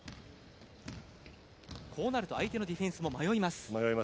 こうなると相手のディフェンスも迷います。